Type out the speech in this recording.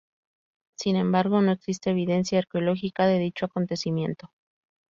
Sin embargo, no existe evidencia arqueológica de dicho acontecimiento.